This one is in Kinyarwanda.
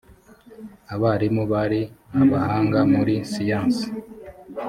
abarimu bari abahanga muri siyansi